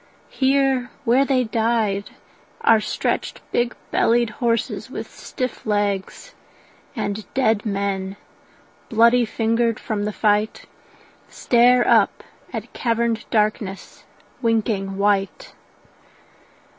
Here where they died Are stretched big bellied horses with stiff legs; And dead men, bloody fingered from the fight, Stare up at caverned darkness winking white.